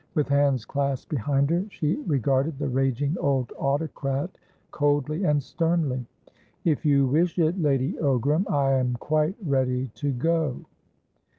With hands clasped behind her, she regarded the raging old autocrat coldly and sternly. "If you wish it, Lady Ogram, I am quite ready to go."